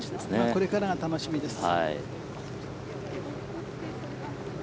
これからが楽しみです。